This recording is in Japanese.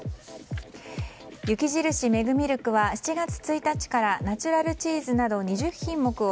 雪印メグミルクは７月１日からナチュラルチーズなど２０品目を。